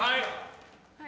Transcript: はい。